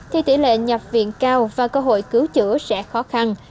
thì tỷ lệ nhập viện cao và cơ hội cứu chữa sẽ khó khăn